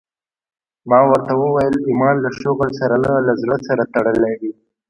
ما ورته وويل ايمان له شغل سره نه له زړه سره تړلى وي.